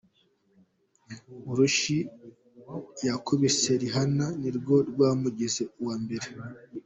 Urushyi yakubise Rihanna nirwo rwamugize uwa mbere.